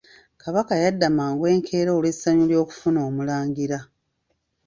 Kabaka yadda mangu enkeera olw'essanyu ly'okufuna omulangira.